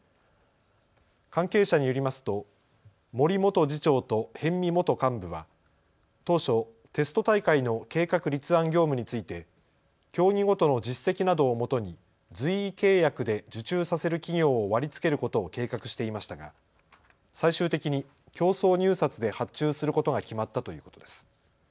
関係者によりますと森元次長と逸見元幹部は当初テスト大会の計画立案業務について競技ごとの実績などをもとに随意契約で受注させる企業を割り付けることを計画していましたが最終的に競争入札で発注することが決まったということです。